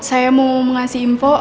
saya mau ngasih info